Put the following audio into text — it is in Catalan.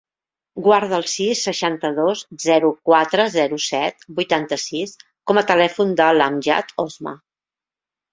Guarda el sis, seixanta-dos, zero, quatre, zero, set, vuitanta-sis com a telèfon de l'Amjad Osma.